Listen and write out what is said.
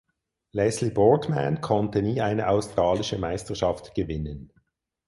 Leslie Boardman konnte nie eine australische Meisterschaft gewinnen.